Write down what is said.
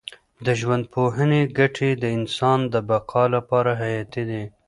د ژوندپوهنې ګټې د انسان د بقا لپاره حیاتي دي.